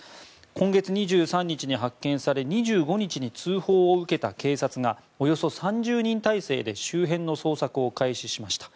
今月２３日に発見され２５日に通報を受けた警察がおよそ３０人態勢で周辺の捜索を開始しました。